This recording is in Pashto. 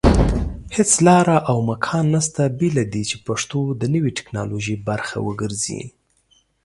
هيڅ لاره او امکان نشته بېله دې چې پښتو د نوي ټيکنالوژي پرخه وګرځي